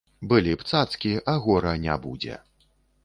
Былі б цацкі, а гора не будзе.